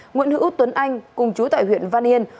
nguyễn hữu tuấn anh cùng chú tại huyện văn yên